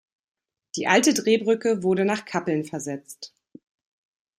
Die alte Drehbrücke wurde nach Kappeln versetzt.